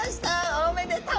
おめでとう！